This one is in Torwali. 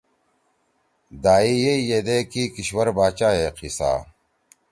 دائی یئیی یدے کی کشُور باچائے قیصہ